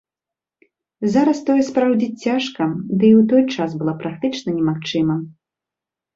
Зараз тое спраўдзіць цяжка, ды і ў той час было практычна немагчыма.